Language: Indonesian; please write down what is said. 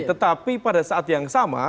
tetapi pada saat yang sama